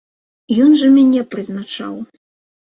Ён жа мяне прызначаў!